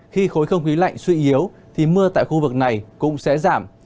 khi khối không khí lạnh suy yếu thì mưa tại khu vực này cũng sẽ giảm